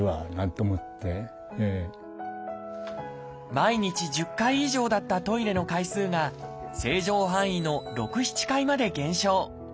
毎日１０回以上だったトイレの回数が正常範囲の６７回まで減少。